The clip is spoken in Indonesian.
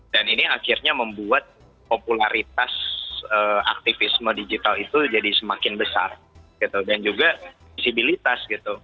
dan ini akhirnya membuat popularitas aktivisme digital itu jadi semakin besar gitu dan juga visibilitas gitu